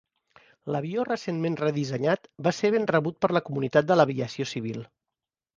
L'avió recentment redissenyat va ser ben rebut per la comunitat de l'aviació civil.